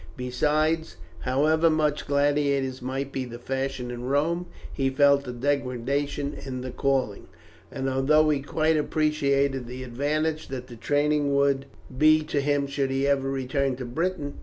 Besides, however much gladiators might be the fashion in Rome, he felt a degradation in the calling, although he quite appreciated the advantage that the training would be to him should he ever return to Britain.